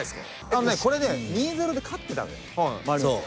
あのねこれね２−０で勝ってたのよマリノスが。